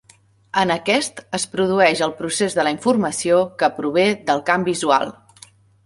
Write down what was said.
En aquest es produeix el procés de la informació que prové del camp visual.